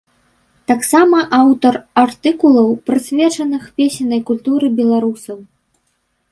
Таксама аўтар артыкулаў, прысвечаных песеннай культуры беларусаў.